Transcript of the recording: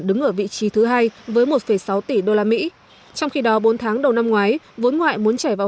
đứng ở vị trí thứ hai với một sáu tỷ usd trong khi đó bốn tháng đầu năm ngoái vốn ngoại muốn chảy vào